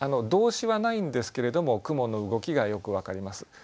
動詞はないんですけれども雲の動きがよく分かります。